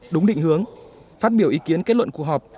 đúng định hướng phát biểu ý kiến kết luận cuộc họp